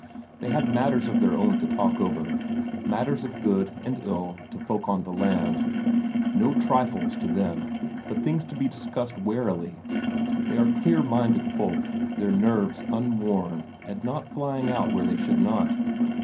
They had matters of their own to talk over, matters of good and ill to folk on the land; no trifles, to them, but things to be discussed warily; they are clear minded folk, their nerves unworn, and not flying out where they should not.